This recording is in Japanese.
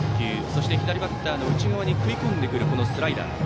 そして、左バッターの内側に食い込んでくるスライダー。